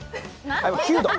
９度！